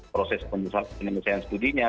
proses penyelesaian studinya